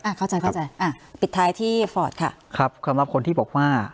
เข้าใจเข้าใจอ่ะปิดท้ายที่ฟอร์ตค่ะครับสำหรับคนที่บอกว่า